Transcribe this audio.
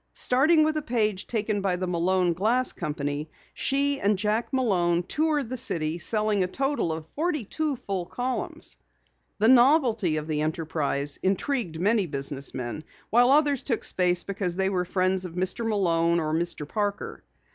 Starting with a page taken by the Malone Glass Company, she and Jack Malone toured the city, selling a total of forty two full columns. The novelty of the enterprise intrigued many business men, while others took space because they were friends of Mr. Malone or Mr. Parker.